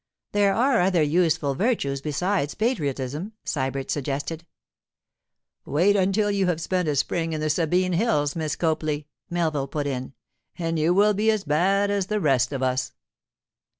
'There are other useful virtues besides patriotism,' Sybert suggested. 'Wait until you have spent a spring in the Sabine hills, Miss Copley,' Melville put in, 'and you will be as bad as the rest of us.